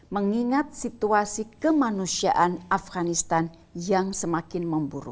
mengingat situasi kemanusiaan afganistan